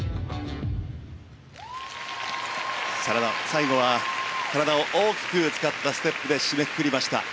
最後は体を大きく使ったステップで締めくくりました。